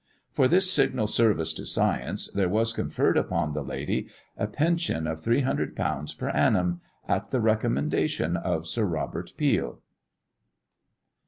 For this signal service to science, there was conferred upon the lady a pension of 300_l._ per annum, at the recommendation of Sir Robert Peel.